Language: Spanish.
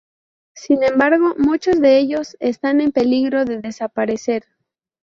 Sin embargo, muchos de ellos están en peligro de desaparecer.